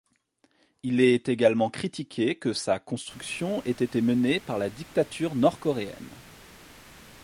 Il est également critiqué que sa construction ait été menée par la dictature nord-coréenne.